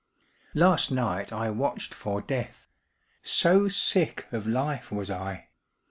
Last night I watched for Death So sick of life was I!